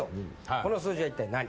この数字は一体何？